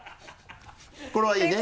これはいいね？